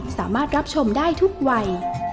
สามารถรับชมได้ทุกวัย